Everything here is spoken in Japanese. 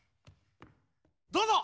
どうぞ！